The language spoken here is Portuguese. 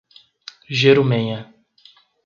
Jerumenha